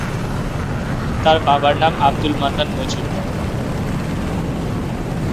তার বাবার নাম আবদুল মান্নান মজুমদার।